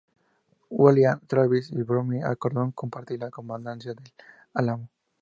William Travis y Bowie acordaron compartir la comandancia de El Álamo.